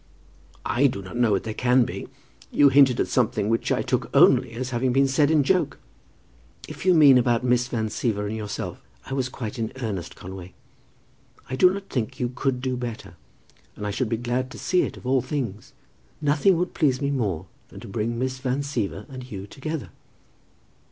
"I do not know what they can be. You hinted at something which I only took as having been said in joke." "If you mean about Miss Van Siever and yourself, I was quite in earnest, Conway. I do not think you could do better, and I should be glad to see it of all things. Nothing would please me more than to bring Miss Van Siever and you together."